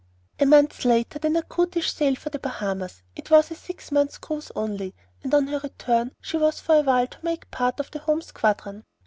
A month later the "Natchitoches" sailed for the Bahamas. It was to be a six months' cruise only; and on her return she was for a while to make part of the home squadron.